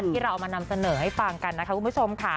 ที่เราเอามานำเสนอให้ฟังกันนะคะคุณผู้ชมค่ะ